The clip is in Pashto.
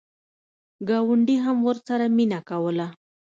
ګاونډي هم ورسره مینه کوله.